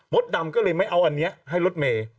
ดำก็เลยไม่เอาอันนี้ให้รถเมย์